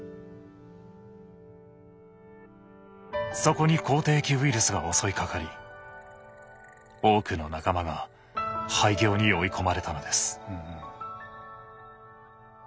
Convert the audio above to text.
そこに口てい疫ウイルスが襲いかかり多くの仲間が廃業に追い込まれたのです。